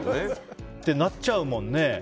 ってなっちゃうもんね。